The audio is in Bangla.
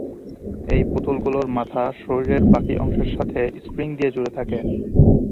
এই পুতুল গুলোর মাথা শরীরের বাকি অংশের সাথে স্প্রিং দিয়ে জুড়ে থাকে।